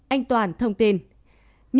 anh toàn thông tin